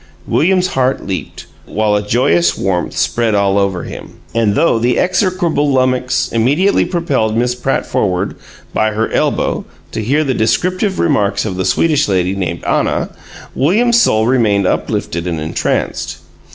William's heart leaped, while a joyous warmth spread all over him. And though the execrable lummox immediately propelled Miss Pratt forward by her elbow to hear the descriptive remarks of the Swedish lady named Anna, William's soul remained uplifted and entranced.